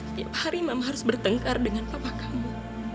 setiap hari mama harus bertengkar dengan papa kamu